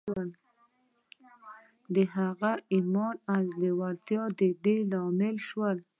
د هغه ايمان او لېوالتیا د دې لامل شول.